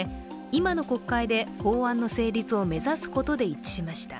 今の国会で法案の成立を目指すことで一致しました。